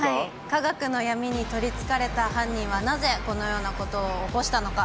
科学の闇に取りつかれた犯人はなぜ、このようなことを起こしたのか。